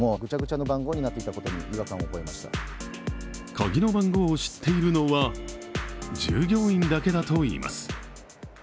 鍵の番号を知っているのは従業員だけだといいます。